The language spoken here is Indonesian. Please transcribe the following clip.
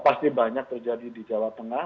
pasti banyak terjadi di jawa tengah